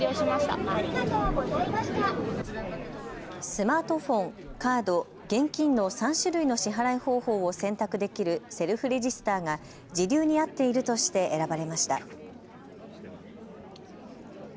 スマートフォン、カード、現金の３種類の支払い方法を選択できるセルフレジスターが時流に合っているとして選ばれました。